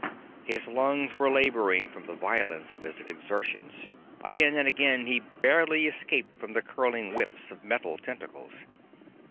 His lungs were laboring from the violence of his exertions; again and again he barely escaped from the curling whips of metal tentacles.